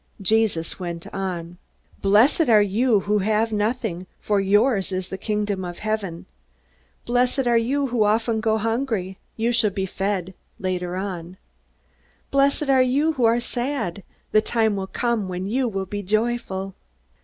Jesus went on: "Blessed are you who have nothing, for yours is the kingdom of heaven. "Blessed are you who often go hungry, you shall be fed later on. "Blessed are you who are sad, the time will come when you will be joyful.